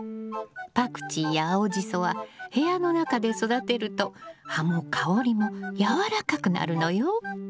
パクチーや青ジソは部屋の中で育てると葉も香りもやわらかくなるのよ。